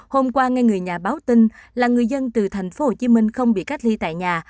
hôm qua nghe người nhà báo tin là người dân từ thành phố hồ chí minh không bị cách ly tại nhà